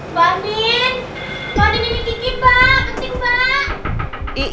mbak andin mbak andin ini kiki pak penting pak